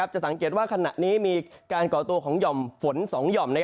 จะสังเกตว่าขณะนี้มีการก่อตัวของหย่อมฝน๒หย่อม